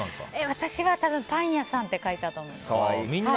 私は多分、パン屋さんって書いたと思います。